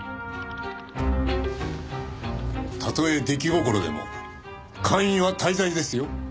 たとえ出来心でも姦淫は大罪ですよ。